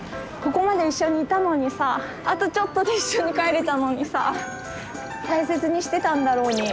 ここまで一緒にいたのにさあとちょっとで一緒に帰れたのにさ大切にしてたんだろうに。